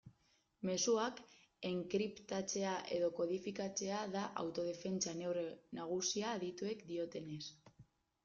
Mezuak enkriptatzea edo kodifikatzea da autodefentsa neurri nagusia adituek diotenez.